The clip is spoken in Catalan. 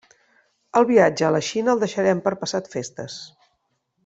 El viatge a la Xina el deixarem per passat festes.